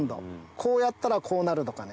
こうやったらこうなるとかね。